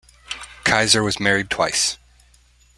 Kaiser was married twice.